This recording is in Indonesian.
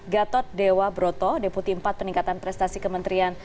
gatot dewa broto deputi empat peningkatan prestasi kementerian